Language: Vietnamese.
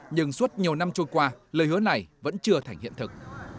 nhưng suốt nhiều năm trôi qua lời hứa này vẫn chưa thành hiện thực